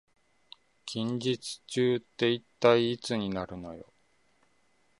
近日中って一体いつになるのよ